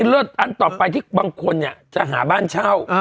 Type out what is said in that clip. เลิศอันต่อไปที่บางคนเนี่ยจะหาบ้านเช่า